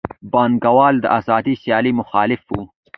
پانګوال د آزادې سیالۍ مخالف وو